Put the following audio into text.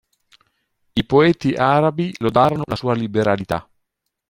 I poeti arabi lodarono la sua liberalità.